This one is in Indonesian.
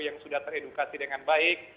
yang sudah teredukasi dengan covid sembilan belas